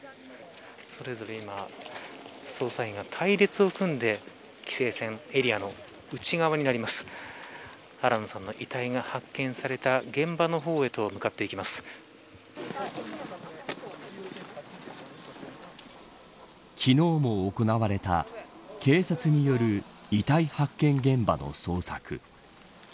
それぞれ今捜査員が隊列を組んで規制線エリアの内側になります新野さんの遺体が発見された昨日も行われた警察による遺体発見現場の捜索。